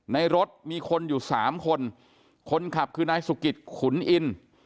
ในรถมีคนอยู่สามคนคนขับคือนายสุกิตขุนอิน